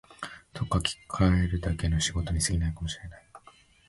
と書きかえるだけの仕事に過ぎないかも知れない